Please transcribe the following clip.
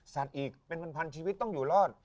อีกเป็นพันชีวิตต้องอยู่รอด